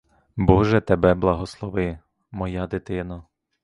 Боже тебе благослови, моя дитино!